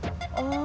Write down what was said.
gak tau mida